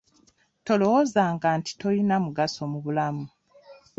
Tolowoozanga nti tolina mugaso mu bulamu.